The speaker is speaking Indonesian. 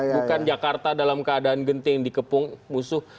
bukan jakarta dalam keadaan genting dikepung musuh